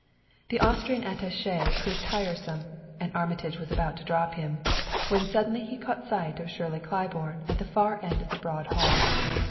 The Austrian attaché proved tiresome, and Armitage was about to drop him, when suddenly he caught sight of Shirley Claiborne at the far end of the broad hall.